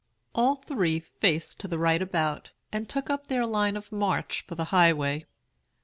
All three faced to the right about, and took up their line of march for the highway."